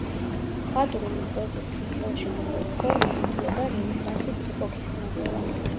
მხატვრული პროზის პირველ ჟანრულ ფორმად ითვლება რენესანსის ეპოქის ნოველა.